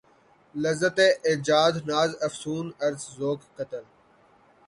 لذت ایجاد ناز افسون عرض ذوق قتل